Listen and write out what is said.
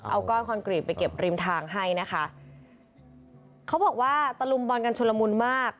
เอาก้อนคอนกรีตไปเก็บริมทางให้นะคะเขาบอกว่าตะลุมบอลกันชุลมุนมาก